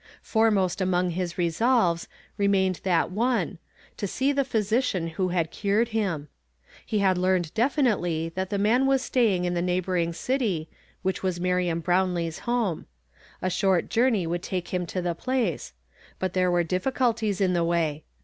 Foremost among Ids resolves remained that one, — to see the physician wlio had cnrcd liim. lie had h'anu'd delinitely that tlie man was staying in tlie neigidoring city, wliieh was Miiiam Brownlee's home. A short journey Avoidd take him to the phice, but tiiere were dilHeulties in the way.